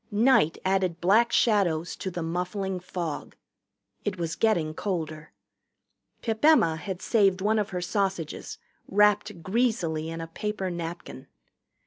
Night added black shadows to the muffling fog. It was getting colder. Pip Emma had saved one of her sausages, wrapped greasily in a paper napkin.